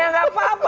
ya enggak apa apa